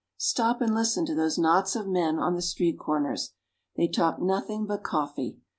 Stop and listen to those knots of men on the street corners. They talk nothing but coffee.